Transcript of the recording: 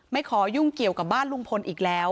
ขอยุ่งเกี่ยวกับบ้านลุงพลอีกแล้ว